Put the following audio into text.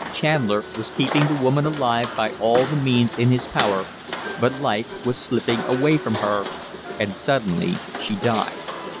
Chandler was keeping the woman alive by all the means in his power, but life was slipping away from her, and suddenly she died.